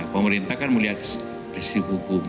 pemerintah kan melihat prinsip hukum